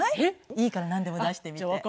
いいからなんでも出してみて。